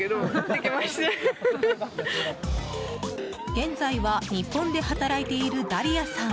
現在は日本で働いているダリアさん。